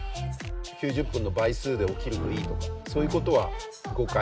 ９０分の倍数で起きるといいとかそういうことは誤解。